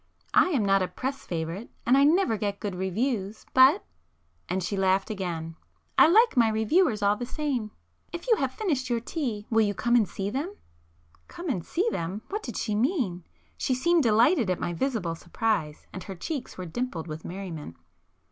I am not a press favourite—and I never get good reviews,—but—" and she laughed again—"I like my reviewers all the same! If you have finished your tea, will you come and see them?" [p 230]Come and see them! What did she mean? She seemed delighted at my visible surprise, and her cheeks dimpled with merriment.